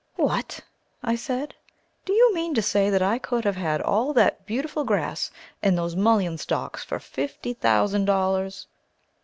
"What," I said, "do you mean to say that I could have had all that beautiful grass and those mullin stalks for fifty thousand dollars?"